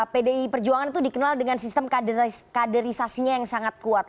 pdi perjuangan itu dikenal dengan sistem kaderisasinya yang sangat kuat